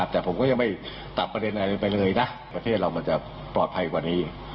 แต่ผมก็ยังไม่ตัดประเด็นอะไรไปเลยนะประเทศเรามันจะปลอดภัยกว่านี้